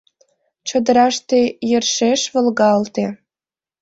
Чодыраште йӧршеш волгалте.